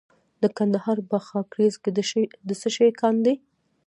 د کندهار په خاکریز کې د څه شي کان دی؟